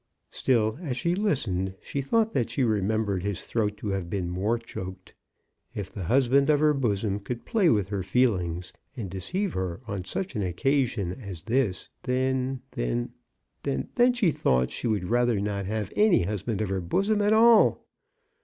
Still as she listened she thought that she remem bered his throat to have been more choked. If the husband of her bosom could play with her feelings and deceive her on such an occasion as MRS. BROWN ATTEMPTS TO ESCAPE. 39 this — then — then — then she thought that she would rather not have any husband of her bosom at all.